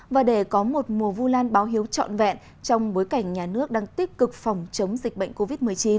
và để có một mùa vu lan báo hiếu trọn vẹn trong bối cảnh nhà nước đang tích cực phòng chống dịch bệnh covid một mươi chín